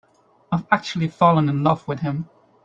I've actually fallen in love with him.